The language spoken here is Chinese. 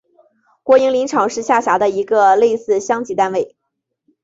国营林场是下辖的一个类似乡级单位。